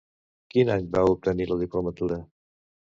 Quin any va obtenir la diplomatura?